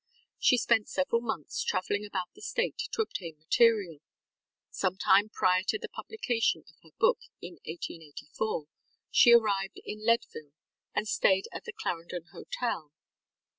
She spent several months traveling about the state to obtain material. Sometime prior to the publication of her book in 1884, she arrived in Leadville and stayed at the Clarendon Hotel.